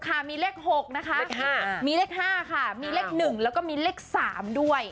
ขามีเลขหกนะคะ๕มีเลขห้าค่ะมีเลขหนึ่งแล้วก็มีเลขสามด้วย